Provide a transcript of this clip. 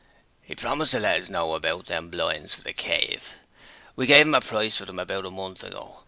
'He promised to let us know about them blinds for "The Cave". We gave 'im a price for 'em about a month ago.